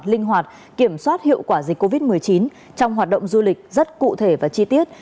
linh hoạt kiểm soát hiệu quả dịch covid một mươi chín trong hoạt động du lịch rất cụ thể và chi tiết